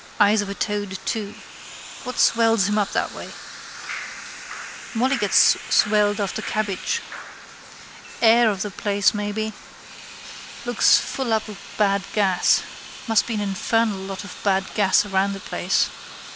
Eyes of a toad too. What swells him up that way? Molly gets swelled after cabbage. Air of the place maybe. Looks full up of bad gas. Must be an infernal lot of bad gas round the place.